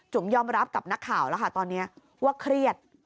ยอมรับกับนักข่าวแล้วค่ะตอนนี้ว่าเครียด